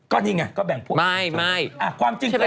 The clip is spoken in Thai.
ก็นี่ไงก็แบ่งพูดไม่ความจริงก็อะไร